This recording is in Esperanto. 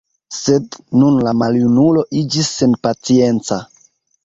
Sed nun la maljunulo iĝis senpacienca.